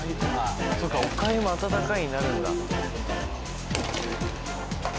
そっかおかゆも「温かい」になるんだ。